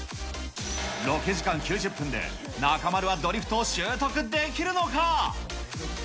ロケ時間９０分で中丸はドリフトを習得できるのか。